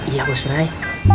iya bos brai